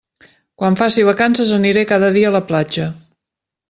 Quan faci vacances aniré cada dia a la platja.